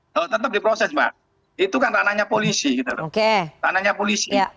oh tetap diproses pak itu kan tanahnya polisi gitu loh oke tanahnya polisi